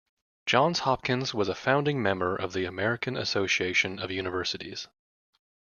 Johns Hopkins was a founding member of the American Association of Universities.